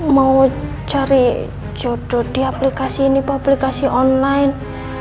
mau cari jodoh di aplikasi ini bu aplikasi online